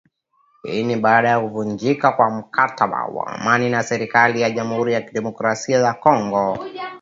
Hii ni baada ya kuvunjika kwa mkataba wa amani na serikali ya Jamhuri ya Kidemokrasia ya Kongo